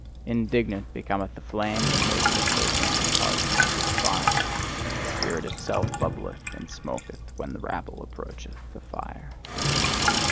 Indignant becometh the flame when they put their damp hearts to the fire; the spirit itself bubbleth and smoketh when the rabble approach the fire.